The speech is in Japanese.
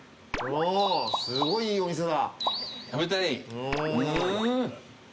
すごいいいお店だ。